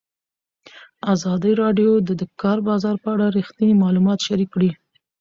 ازادي راډیو د د کار بازار په اړه رښتیني معلومات شریک کړي.